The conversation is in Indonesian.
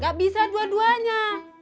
gak bisa dua duanya